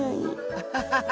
アハハハ！